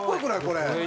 これ。